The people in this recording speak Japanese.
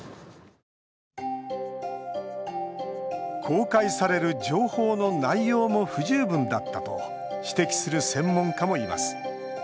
公開される情報の内容も不十分だったと指摘する専門家もいます。